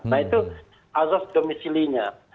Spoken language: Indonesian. nah itu azas domisilinya